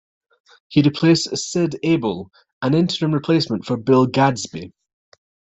He replaced Sid Abel, an interim replacement for Bill Gadsby.